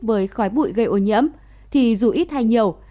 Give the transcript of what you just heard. với khói bụi gây ô nhiễm thì dù ít hay nhiều